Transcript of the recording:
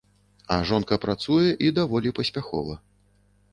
А жонка працуе і даволі паспяхова.